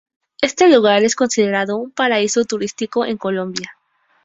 Este lugar es considerado un paraíso turístico en Colombia.